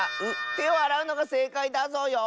てをあらうのがせいかいだぞよ。